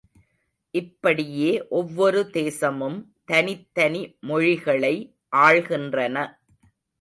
இப்படியே ஒவ்வொரு தேசமும் தனித்தனி மொழிகளை ஆள்கின்றன.